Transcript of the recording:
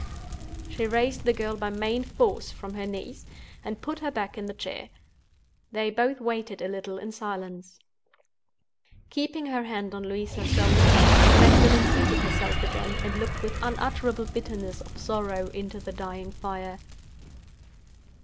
She raised the girl by main force from her knees, and put her back in the chair. They both waited a little in silence. Keeping her hand on Louisa's shoulder, Magdalen seated herself again, and looked with unutterable bitterness of sorrow into the dying fire.